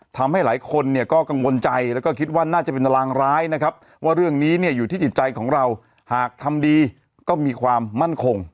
ทำให้หลายคนเนี่ยก็กังวลใจแล้วก็คิดว่าน่าจะเป็นตารางร้ายนะครับว่าเรื่องนี้เนี่ยอยู่ที่จิตใจของเราหากทำดีก็มีความมั่นคง